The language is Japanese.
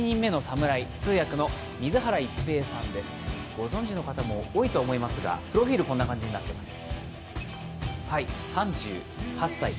ご存じの方も多いと思いますがプロフィールはこんな感じになっています。